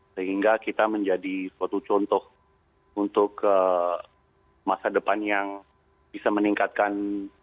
sehingga kita menjadi suatu contoh untuk masa depan yang bisa meningkatkan